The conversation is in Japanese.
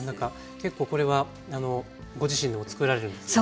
結構これはご自身でもつくられるんですか？